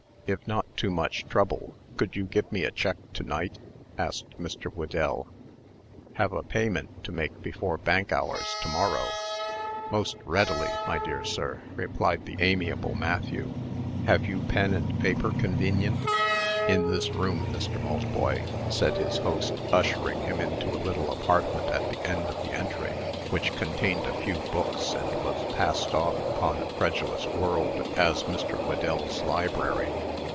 "If not too much trouble, could you give me a check to night?" asked Mr. Whedell. "Have a payment to make before bank hours to morrow." "Most readily, my dear sir," replied the amiable Matthew. "Have you pen and paper convenient?" "In this room, Mr. Maltboy," said his host, ushering him into a little apartment at the end of the entry, which contained a few books, and was passed off upon a credulous world as Mr. Whedell's library.